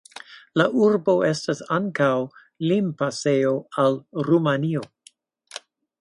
La urbo estas ankaŭ limpasejo al Rumanio.